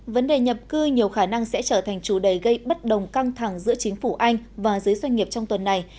vấn đề nhập cư nhiều khả năng sẽ trở thành chủ đề gây bất đồng căng thẳng giữa chính phủ anh và giới doanh nghiệp trong tuần này